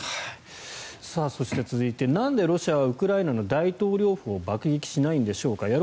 そして続いてなんでロシアはウクライナの大統領府を爆撃しないんでしょうか。